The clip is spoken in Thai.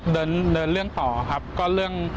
เดินเดินเรื่องต่อครับก็เรื่อง